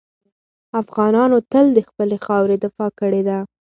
افغانانو تل د خپلې خاورې دفاع کړې ده.